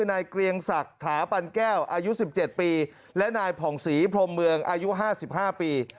อายุ๑๗ปีและนายผ่องศรีพรหมเมืองอายุ๕๕ปี